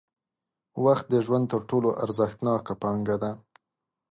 وخت د ژوند تر ټولو ارزښتناکه پانګه ده.